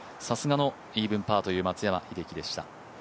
さすがのイーブンパーという松山英樹でした。